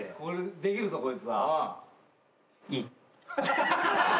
できるぞこいつは。